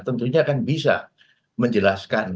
tentunya akan bisa menjelaskan